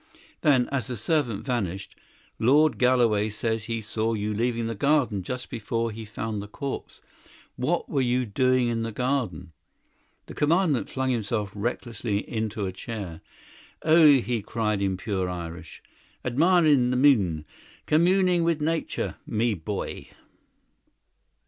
Then, as the servant vanished, "Lord Galloway says he saw you leaving the garden just before he found the corpse. What were you doing in the garden?" The Commandant flung himself recklessly into a chair. "Oh," he cried in pure Irish, "admirin' the moon. Communing with Nature, me bhoy."